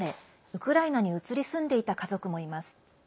ウクライナに移り住んでいた家族もいます。